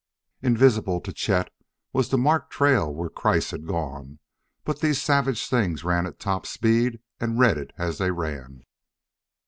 Invisible to Chet was the marked trail where Kreiss had gone, but these savage things ran at top speed and read it as they ran.